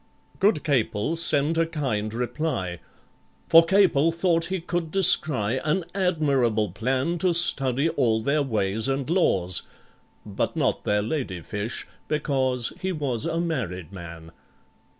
Good CAPEL sent a kind reply, For CAPEL thought he could descry An admirable plan To study all their ways and laws— (But not their lady fish, because He was a married man).